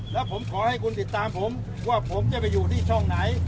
แล้วผมขอให้คุณติดตามผมว่าผมจะไปอยู่ที่ช่องไหน